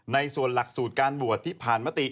ในส่วนหลักสูตรการโหวตที่ผ่านมติ